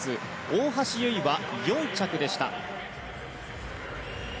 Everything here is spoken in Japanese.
大橋悠依は４着でした。